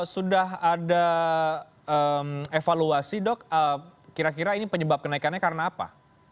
sudah ada evaluasi dok kira kira ini penyebab kenaikannya karena apa